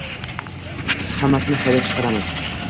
biz hammasini haydab chiqaramiz